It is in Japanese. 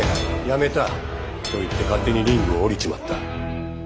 やめた！」と言って勝手にリングを降りちまった。